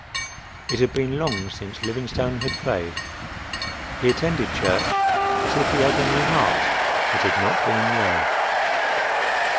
It had been long since Livingstone had prayed. He attended church, but if he had any heart it had not been there.